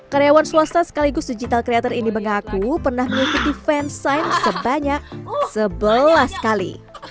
karyawan swasta sekaligus digital creator ini mengaku pernah mengikuti fansign sebanyak sebelas kali